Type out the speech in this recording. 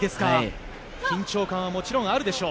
緊張感はもちろんあるでしょう。